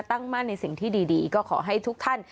ตั้งมั่นในสิ่งที่ดีก็ขอให้ทุกท่าน